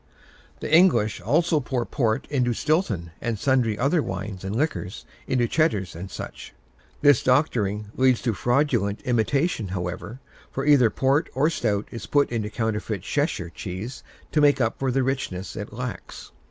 The English also pour port into Stilton, and sundry other wines and liquors into Cheddars and such. This doctoring leads to fraudulent imitation, however, for either port or stout is put into counterfeit Cheshire cheese to make up for the richness it lacks.